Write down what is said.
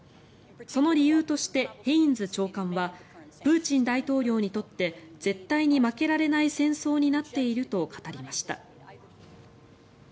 その理由としてヘインズ長官はプーチン大統領にとって絶対に負けられない戦争になっていると語りました。